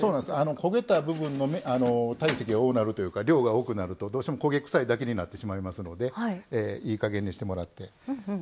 焦げた部分の量が多くなるとどうしても焦げ臭いだけになってしまいますのでいい加減にしてもらって。